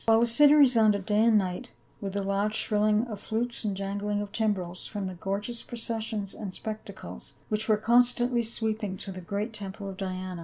* While the city resounded day and night with the loud shrilling of flutes and jangling of timbrels from the gorgeous processions and spectacles which were constantly sweeping to t he great temple of Diana, * 1.